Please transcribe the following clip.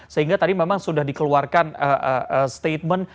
sehingga tadi memang sudah dikeluarkan statement